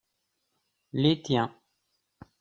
les tiens.